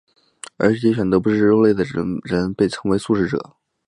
而一些选择不吃肉类的人则被称为素食者。